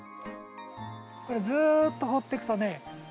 これずっと放っておくとね